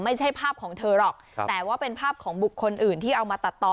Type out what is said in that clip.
ไม่ใช่ภาพของเธอหรอกแต่ว่าเป็นภาพของบุคคลอื่นที่เอามาตัดต่อ